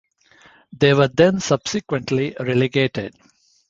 They were then subsequently relegated.